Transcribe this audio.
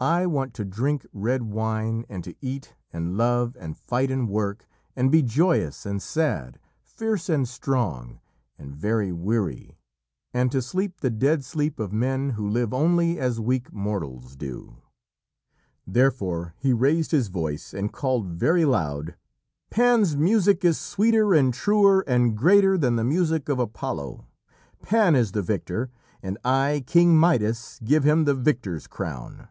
I want to drink red wine and to eat and love and fight and work and be joyous and sad, fierce and strong, and very weary, and to sleep the dead sleep of men who live only as weak mortals do." Therefore he raised his voice, and called very loud: "Pan's music is sweeter and truer and greater than the music of Apollo. Pan is the victor, and I, King Midas, give him the victor's crown!"